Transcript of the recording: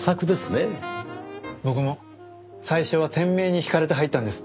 僕も最初は店名に惹かれて入ったんです。